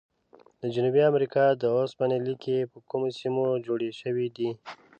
د جنوبي امریکا د اوسپنې لیکي په کومو سیمو کې جوړې شوي دي؟